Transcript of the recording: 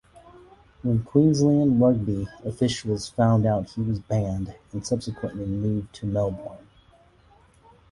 When Queensland rugby officials found out he was banned and subsequently moved to Melbourne.